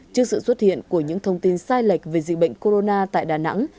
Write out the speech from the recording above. trước sự xuất hiện của những thông tin sai lệch về dịch bệnh corona tại đà nẵng